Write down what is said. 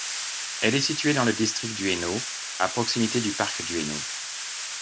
Elle est située dans le district d'Ueno à proximité du parc d'Ueno.